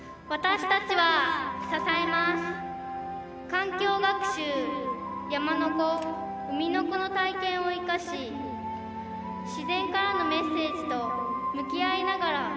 環境学習「やまのこ」「うみのこ」の体験を活かし自然からのメッセージと向き合いながら。